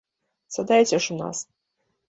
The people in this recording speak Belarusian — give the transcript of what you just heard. Сядайце ж у нас.